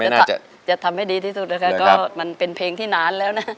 ก็จะทำได้ที่สุดครับมันเป็นเพลงที่นานแล้วนะ